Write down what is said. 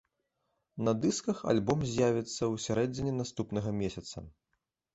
На дысках альбом з'явіцца ў сярэдзіне наступнага месяца.